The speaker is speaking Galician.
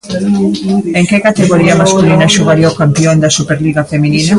En que categoría masculina xogaría o campión da Superliga feminina?